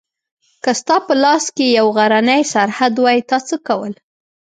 که ستا په لاس کې یو غرنی سرحد وای تا څه کول؟